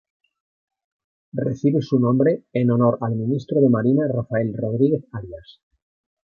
Recibe su nombre en honor al ministro de Marina Rafael Rodríguez Arias.